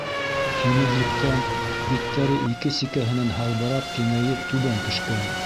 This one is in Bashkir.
Һимеҙлектән биттәре ике сикәһенән һалбырап киңәйеп түбән төшкән.